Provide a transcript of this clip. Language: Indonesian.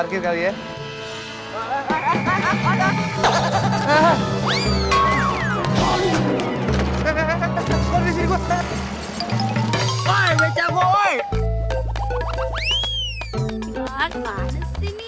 gila keras ini